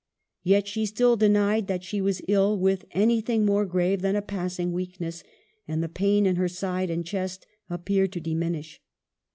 Yet she still denied that she was ill with any thing more grave than a passing weakness ; and the pain in her side and chest appeared to diminish.